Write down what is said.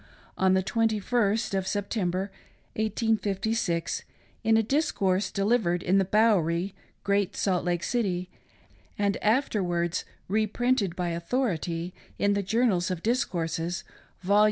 On the 2 1 St of September, 1856, in a discourse delivered in the Bowery, Great Salt Lake City, and afterwards re printed by authority in the Journals of Dis courses, Vol.